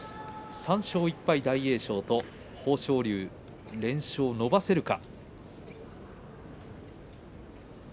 ３勝１敗の大栄翔と豊昇龍連勝、伸ばせるか。